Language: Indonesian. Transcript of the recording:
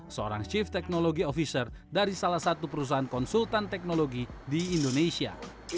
seorang chief technology officer dari salah satu perusahaan konsultan teknologi di indonesia